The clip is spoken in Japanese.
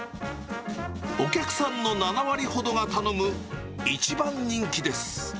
お客さんの７割ほどが頼む一番人気です。